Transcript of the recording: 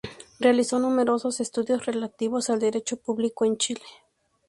Realizó numerosos estudios relativos al derecho público en Chile.